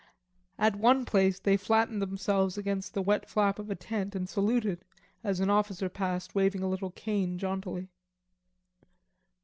At one place they flattened themselves against the wet flap of a tent and saluted as an officer passed waving a little cane jauntily.